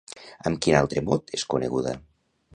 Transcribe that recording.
Amb quin altre mot és coneguda?